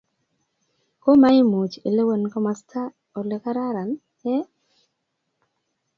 Komaimuch ilewen komasta ole kararan ii?